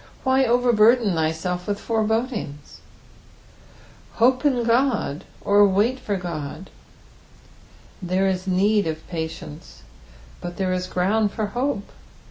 Why overburden thyself with forebodings t ''Hope in Ood," oi " viaU for Ood." There is need of patience, but there is ground for hope.